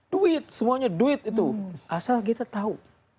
duit semuanya duit itu asal kita tahu